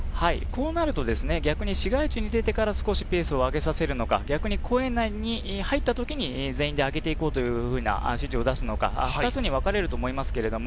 こうなると市街地に出てから少しペースを上げさせるのか、公園内に入ったときに、全員で上げて行こうというふうな指示を出すのか２つに分かれると思います。